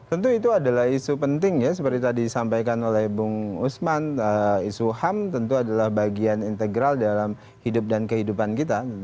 tentu itu adalah isu penting ya seperti tadi disampaikan oleh bung usman isu ham tentu adalah bagian integral dalam hidup dan kehidupan kita